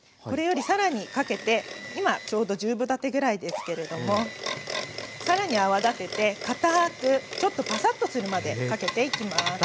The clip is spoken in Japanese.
これよりさらにかけて今ちょうど十分立てぐらいですけれどもさらに泡立てて堅くちょっとパサッとするまでかけていきます。